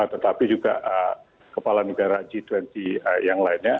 tetapi juga kepala negara g dua puluh yang lainnya